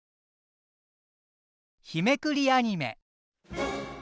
「日めくりアニメ」。